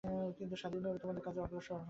কিন্তু স্বাধীনভাবে তোমাদের কাজে অগ্রসর হও।